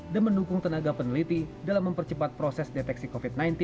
mendukung tenaga peneliti dalam mempercepat proses deteksi covid sembilan belas